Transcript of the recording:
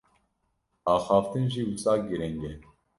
Axaftin jî wisa giring e.